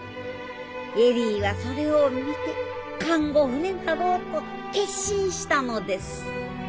恵里はそれを見て看護婦になろうと決心したのです。